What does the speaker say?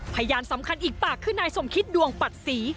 พยานสำคัญอีกปากคือนายสมคิดดวงปัดศรี